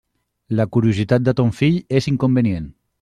La curiositat de ton fill és inconvenient.